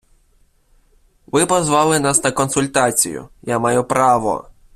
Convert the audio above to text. Ви позвали нас на консультацію, я маю право...